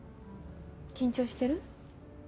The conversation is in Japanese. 緊張してる？